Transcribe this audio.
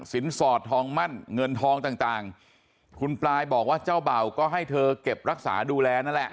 สอดทองมั่นเงินทองต่างคุณปลายบอกว่าเจ้าเบ่าก็ให้เธอเก็บรักษาดูแลนั่นแหละ